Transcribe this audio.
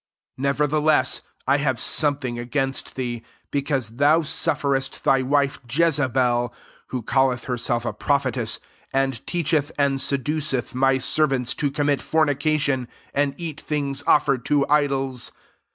20 Never theless I have aomething ag^nst thee, because thou sufferest thy wife Jezebel, who calleth herself a prophetess, and teacb eth and seduceth my servants to commit fornication, and eat things offered to idols.